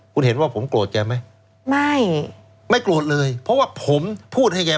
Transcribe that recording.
คุณเห็นว่าผมโกรธแกไหมไม่ไม่โกรธเลยเพราะว่าผมพูดให้แก